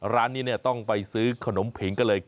ร้านนี้ต้องไปซื้อขนมผิงก็เลย